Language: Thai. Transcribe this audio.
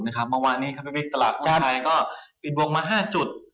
เมื่อวานนี้ครับพี่วิกตลาดหุ้นไทยก็ปิดวงมา๕จุด